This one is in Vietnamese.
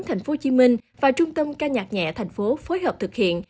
thành phố hồ chí minh và trung tâm ca nhạc nhẹ thành phố phối hợp thực hiện